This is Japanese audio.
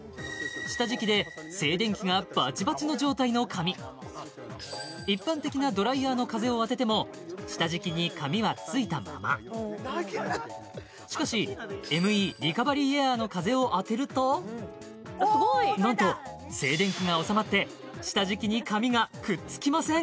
下敷きで静電気がバチバチの状態の髪一般的なドライヤーの風を当てても下敷きに髪はついたまましかしＭＥリカバリーエアーの風を当てるとなんと静電気がおさまって下敷きに髪がくっつきません